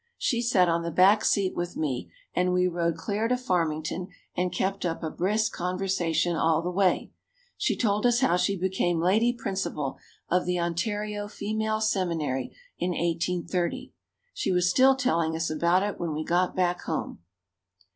She sat on the back seat with me and we rode clear to Farmington and kept up a brisk conversation all the way. She told us how she became lady principal of the Ontario Female Seminary in 1830. She was still telling us about it when we got back home.